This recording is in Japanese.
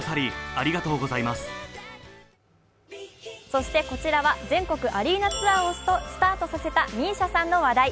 そしてこちらは全国アリーナツアーをスタートさせたＭＩＳＩＡさんの話題。